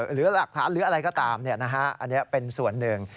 หรือหลักฐานหรืออะไรก็ตามอันนี้เป็นส่วนหนึ่ง